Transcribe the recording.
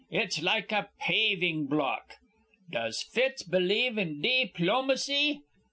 It's like a paving block. "Does Fitz believe in di plomacy?